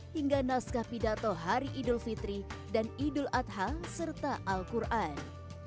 hingga naskah pidato hari idul fitri dan idul adha serta al quran